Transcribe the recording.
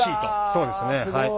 そうですねはい。